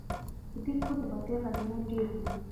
د دې کور د آبادۍ غلیمان ډیر دي